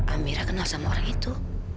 amira kenal sama orang itu